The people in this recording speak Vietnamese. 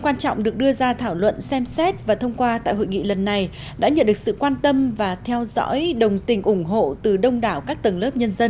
quan trọng được đưa ra thảo luận xem xét và thông qua tại hội nghị lần này đã nhận được sự quan tâm và theo dõi đồng tình ủng hộ từ đông đảo các tầng lớp nhân dân